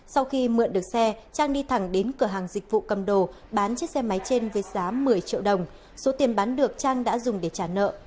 sau khi mượn được xe trang đi thẳng đến cửa hàng dịch vụ cầm đồ bán chiếc xe máy trên với giá một mươi triệu đồng số tiền bán được trang đã dùng để trả nợ